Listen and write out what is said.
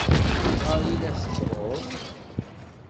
Ayɣer i la tettruḍ?